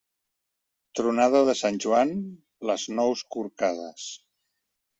Tronada de sant Joan, les nous corcades.